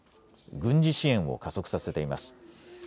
軍事支援を加速させています。